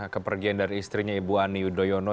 kepergian dari istrinya ibu ani yudhoyono